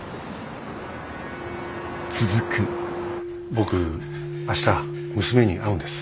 僕明日娘に会うんです。